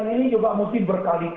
ini juga mesti berkali kali